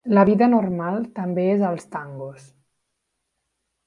La vida normal també és als tangos.